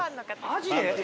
マジで？